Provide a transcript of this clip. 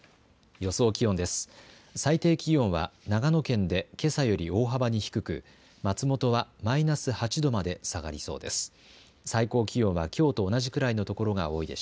予想気温です。